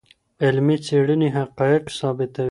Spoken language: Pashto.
علمي څېړني حقایق ثابتوي.